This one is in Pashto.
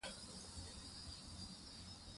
ځوانان په خاورو کې خښ سوي ول.